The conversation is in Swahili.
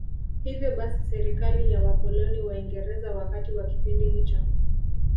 Hivyo basi serikali ya wakoloni Waingereza wakati wa kipindi hicho